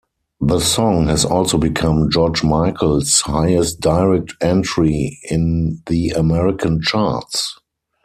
The song has also become George Michael's highest-direct entry in the American charts.